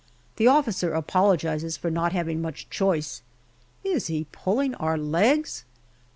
The officer apologizes for not having much choice. Is he pulling our legs